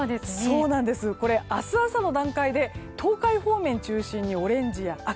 明日朝の段階で東海方面中心にオレンジや赤。